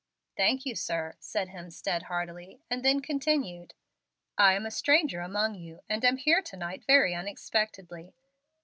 "Thank you, sir," said Hemstead, heartily, and then continued: "I am a stranger among you, and am here to night very unexpectedly.